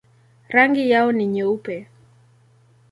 Rangi yao ni nyeupe.